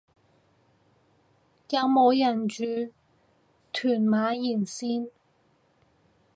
有冇人住屯馬沿線